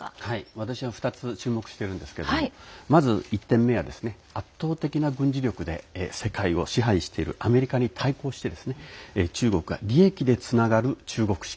私は２つ注目してるんですけどまず１点目は圧倒的な軍事力で世界を支配するアメリカに対抗して中国は利益でつながる中国式